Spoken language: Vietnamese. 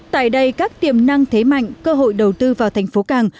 tại đây các tiềm năng thế mạnh cơ hội đầu tư vào thành phố càng